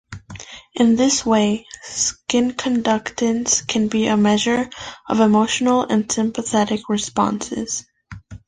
In this way, skin conductance can be a measure of emotional and sympathetic responses.